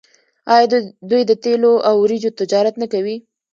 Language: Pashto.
آیا دوی د تیلو او وریجو تجارت نه کوي؟